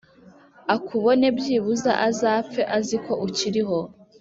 akubone byibuze azapfe aziko ukiriho